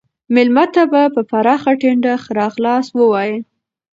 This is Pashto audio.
مېلمه ته په پراخه ټنډه ښه راغلاست ووایئ.